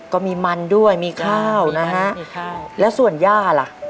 ก็มีมันด้วยมีข้าวนะฮะแล้วส่วนย่าล่ะ